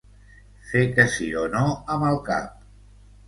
Fer que sí o no amb el cap.